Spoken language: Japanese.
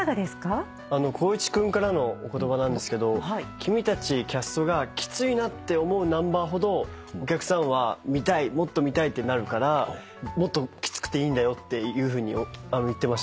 「君たちキャストがきついなって思うナンバーほどお客さんは見たいもっと見たいってなるからもっときつくていいんだよ」っていうふうに言ってましたね。